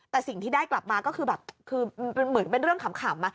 แต่สิ่งที่ได้กลับมาก็คือแบบคือเหมือนเป็นเรื่องขำ